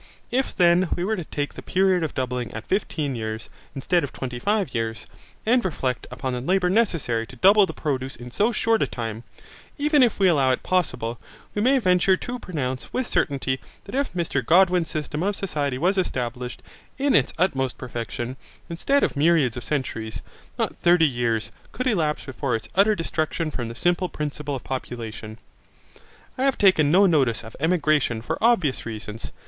If then we were to take the period of doubling at fifteen years, instead of twenty five years, and reflect upon the labour necessary to double the produce in so short a time, even if we allow it possible, we may venture to pronounce with certainty that if Mr Godwin's system of society was established in its utmost perfection, instead of myriads of centuries, not thirty years could elapse before its utter destruction from the simple principle of population. I have taken no notice of emigration for obvious reasons.